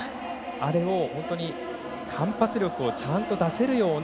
あれを本当に反発力をちゃんと出せるような